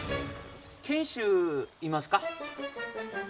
賢秀いますか？